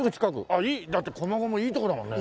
あっいいだって駒込いいとこだもんね。